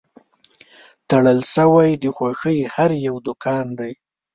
تړل شوی د خوښۍ هر یو دوکان دی